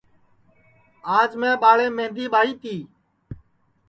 آج میں ٻاݪیم مہندی ٻائی تی